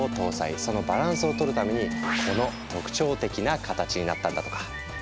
そのバランスを取るためにこの特徴的な形になったんだとか。